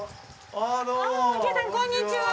ああこんにちは。